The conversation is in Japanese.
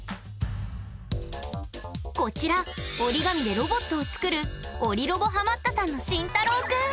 こちら折り紙でロボットを作る折りロボハマったさんのしんたろうくん！